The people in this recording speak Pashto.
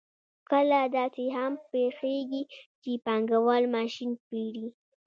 کله داسې هم پېښېږي چې پانګوال ماشین پېري